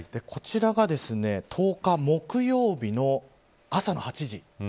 こちらが１０日、木曜日の朝の８時。